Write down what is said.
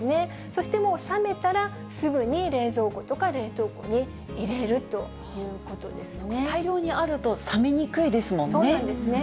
そしてもう冷めたら、すぐに冷蔵庫とか冷凍庫に入れるということ大量にあると冷めにくいですそうなんですね。